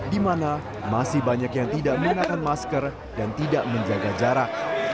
di mana masih banyak yang tidak menggunakan masker dan tidak menjaga jarak